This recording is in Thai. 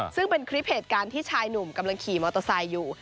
ซึ่งเป็นคลิปเหตุการณ์ที่ชายหนุ่มกำลังขี่มอเตอร์ไซค์อยู่